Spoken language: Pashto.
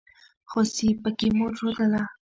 خوسي پکې مور رودله.